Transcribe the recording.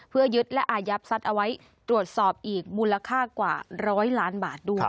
เพื่อยึดและอายัดทรัพย์เอาไว้ตรวจสอบอีกมูลค่ากว่า๑๐๐ล้านบาทด้วย